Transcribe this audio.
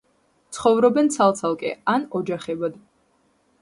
ცხოვრობენ ცალ-ცალკე ან ოჯახებად.